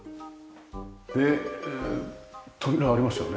で扉ありますよね？